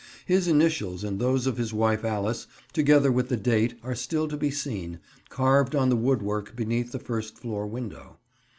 His initials and those of his wife Alice, together with the date are still to be seen, carved on the woodwork beneath the first floor window.